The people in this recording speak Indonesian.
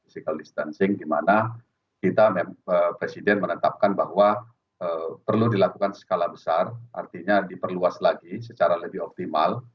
dan physical distancing dimana kita presiden menetapkan bahwa perlu dilakukan skala besar artinya diperluas lagi secara lebih optimal